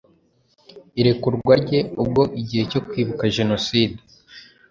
irekurwa rye ubwo igihe cyo kwibuka jenoside